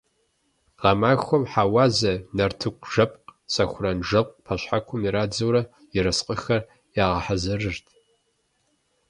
Гъэмахуэм хьэуазэ, нартыхужэпкъ, сэхуранжэпкъ пэшхьэкум ирадзэурэ, ерыскъыхэр ягъэхьэзырырт.